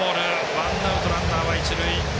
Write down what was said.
ワンアウト、ランナーは一塁。